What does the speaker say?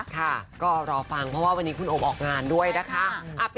ค่ะก็รอฟังเพราะว่าวันนี้คุณโอมออกงานด้วยนะคะ